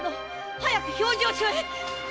早く評定所へ！